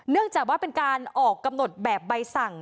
เนื่องจากว่าเป็นการออกกำหนดแบบใบสั่ง